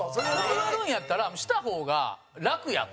断るんやったらした方が楽やと。